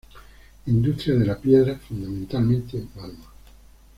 Industria de la piedra, fundamentalmente mármol.